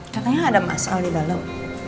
katanya ada mas al di dalam